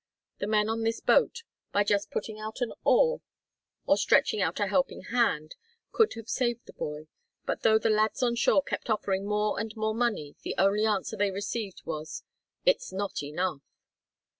The men on this boat by just putting out an oar, or stretching out a helping hand, could have saved the boy, but though the lads on shore kept offering more and more money the only answer they received was, "It's not enough!"